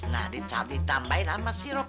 nah ditambahin sama sirup